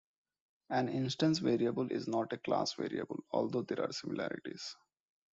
An instance variable is not a class variable although there are similarities.